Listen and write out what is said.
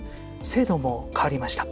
制度も変わりました。